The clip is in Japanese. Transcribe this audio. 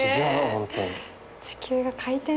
本当に。